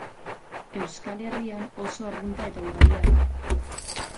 Euskal Herrian oso arrunta eta ugaria da.